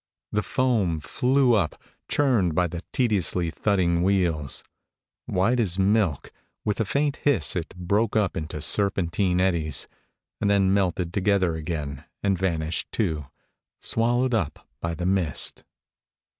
The foam flew up, churned by the tediously thudding wheels ; white as milk, with a faint hiss it broke up into serpentine eddies, and then melted together again and vanished too, swallowed up by the mist.